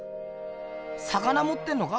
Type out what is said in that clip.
魚もってんのか？